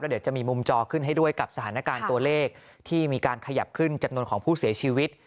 เดี๋ยวจะมีมุมจอขึ้นให้ด้วยกับสถานการณ์ตัวเลขที่มีการขยับขึ้นจำนวนของผู้เสียชีวิต